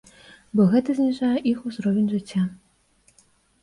Бо гэта зніжае іх узровень жыцця.